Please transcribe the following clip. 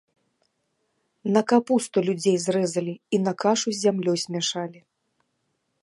На капусту людзей зрэзалі і на кашу з зямлёй змяшалі.